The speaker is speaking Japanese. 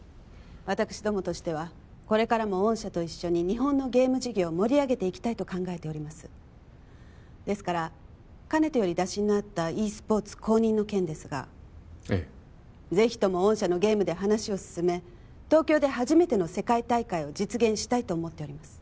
私どもとしてはこれからも御社と一緒に日本のゲーム事業を盛り上げていきたいと考えておりますですからかねてより打診のあったｅスポーツ公認の件ですがええぜひとも御社のゲームで話を進め東京で初めての世界大会を実現したいと思っております